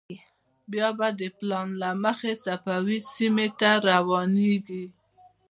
بیا به د پلان له مخې صفوي سیمې ته روانېږو.